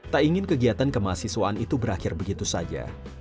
tak ingin kegiatan kemahasiswaan itu berakhir begitu saja